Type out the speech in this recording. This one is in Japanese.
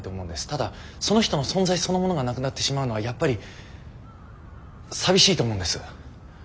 ただその人の存在そのものがなくなってしまうのはやっぱり寂しいと思うんです。